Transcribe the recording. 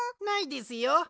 ないですよ。